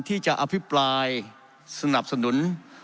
ที่จะอภิปรายสนับสนุน